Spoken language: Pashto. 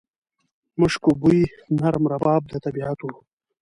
مشکو بوی، نرم رباب د طبیعت و